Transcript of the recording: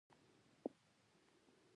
خر خوله وهله.